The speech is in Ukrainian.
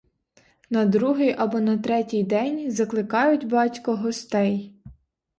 На другий або на третій день закликають батько гостей.